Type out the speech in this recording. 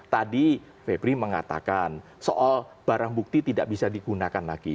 tadi febri mengatakan soal barang bukti tidak bisa digunakan lagi